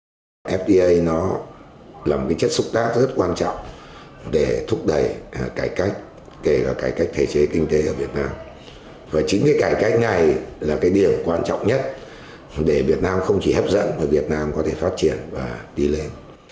hiệp định thương mại tự do fta là một cái chất xúc tác rất quan trọng để thúc đẩy cải cách kể cả cải cách thể chế kinh tế ở việt nam và chính cái cải cách này là cái điều quan trọng nhất để việt nam không chỉ hấp dẫn mà việt nam có thể phát triển và đi lên